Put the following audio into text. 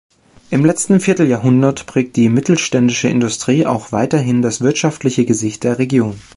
Im letzten Vierteljahrhundert prägt die mittelständische Industrie auch weiterhin das wirtschaftliche Gesicht der Region.